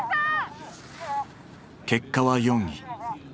結果は４位。